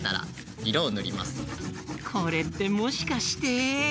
これってもしかして。